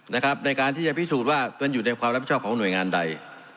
ในการที่จะพิสูจน์ว่ามันอยู่ในความรับผิดชอบของหน่วยงานใด